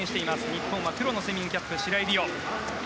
日本は黒のスイミングキャップ白井璃緒。